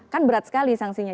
kan berat sekali sangsinya